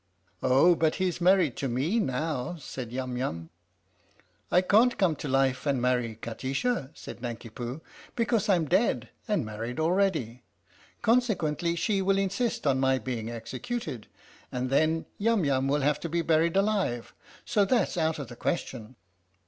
" Oh, but he's married to me now," said Yum Yum. " I can't come to life and marry Kati sha," said Nanki Poo, " because I'm dead and married already consequently she will insist on my being executed, and then Yum Yum will have to be buried alive, so that 's out of the question.